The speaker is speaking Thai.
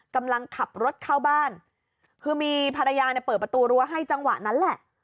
กำลังขับรถเข้าบ้านคือมีภรรยาเนี่ยเปิดประตูรั้วให้จังหวะนั้นแหละ